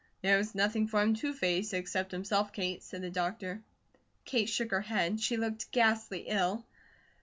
"There was nothing for him to face, except himself, Kate," said the doctor. Kate shook her head. She looked ghastly ill.